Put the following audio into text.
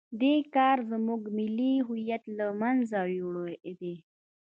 دې کار زموږ ملي هویت له منځه وړی دی.